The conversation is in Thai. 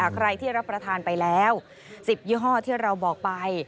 ใครที่รับประทานไปแล้ว๑๐ยี่ห้อที่เราบอกไป